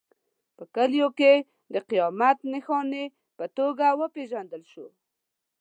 په کلیو کې د قیامت نښانې په توګه وپېژندل شو.